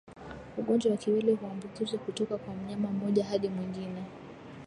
Ugonjwa wa kiwele huambukizwa kutoka kwa mnyama mmoja hadi mwingine